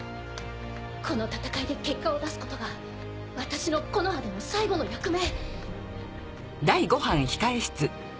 この戦いで結果を出すことが私の木ノ葉での最後の役目。